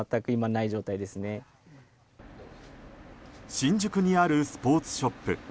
新宿にあるスポーツショップ。